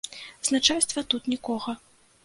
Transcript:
З начальства тут нікога.